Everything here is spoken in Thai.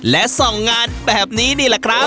และส่องงานแบบนี้นี่แหละครับ